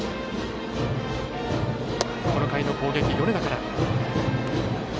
この回の攻撃、米田から。